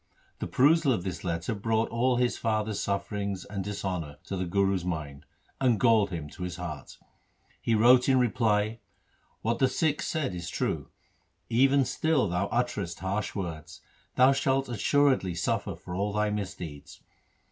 The perusal of this letter brought all his father's sufferings and dishonour to the Guru's mind, and galled him to the heart. He wrote in reply, ' What the Sikhs said is true. Even still thou utterest harsh words. Thou shalt assuredly suffer for all thy misdeeds.